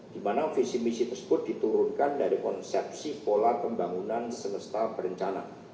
di mana visi misi tersebut diturunkan dari konsepsi pola pembangunan semesta berencana